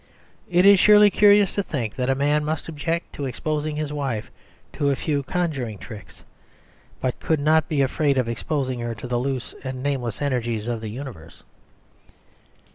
It is surely curious to think that a man must object to exposing his wife to a few conjuring tricks, but could not be afraid of exposing her to the loose and nameless energies of the universe.